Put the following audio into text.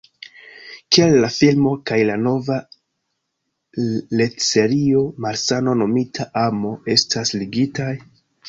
Kiel la filmo kaj la nova retserio Malsano Nomita Amo estas ligitaj?